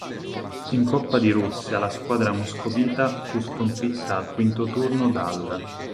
In Coppa di Russia la squadra moscovita fu sconfitta al quinto turno dall'.